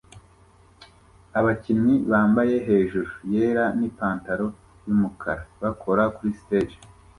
Ababyinnyi bambaye hejuru yera nipantaro yumukara bakora kuri stage